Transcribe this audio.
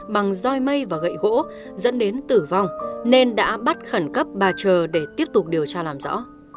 bằng roi mây và gậy gỗ dẫn đến tử vong nên đã bắt khẩn cấp bà trờ để tiếp tục điều tra làm rõ